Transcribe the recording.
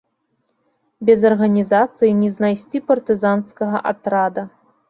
Без арганізацыі не знайсці партызанскага атрада.